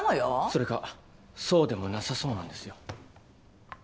それがそうでもなさそうなんですよ。